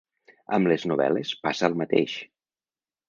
Amb les novel·les passa el mateix.